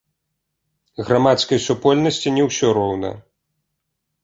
Грамадскай супольнасці не ўсё роўна!